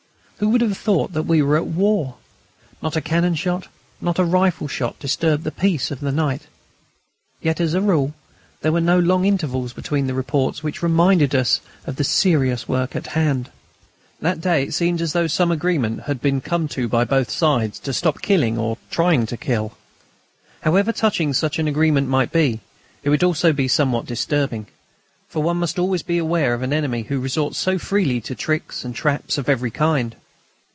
Who would have thought we were at war? Not a cannon shot, not a rifle shot, disturbed the peace of the night. Yet, as a rule, there were no long intervals between the reports which reminded us of the serious work on hand. That day it seemed as though some agreement had been come to by both sides to stop killing or trying to kill. However touching such an agreement might be, it would also be somewhat disturbing, for one must always beware of an enemy who resorts so freely to tricks and traps of every kind.